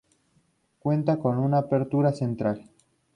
Cuenta con una puerta central.